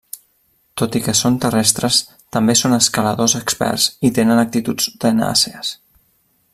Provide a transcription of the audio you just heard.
Tot i que són terrestres, també són escaladors experts i tenen actituds tenaces.